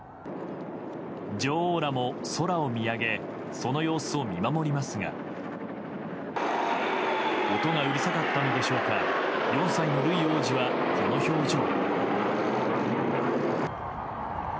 女王らも空を見上げその様子を見守りますが音がうるさかったのでしょうか４歳のルイ王子はこの表情。